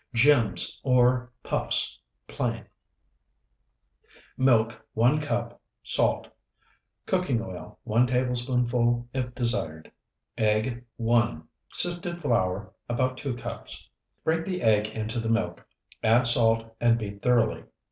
GEMS OR PUFFS (PLAIN) Milk, 1 cup. Salt. Cooking oil, 1 tablespoonful, if desired. Egg, 1. Sifted flour, about 2 cups. Break the egg into the milk, add salt, and beat thoroughly.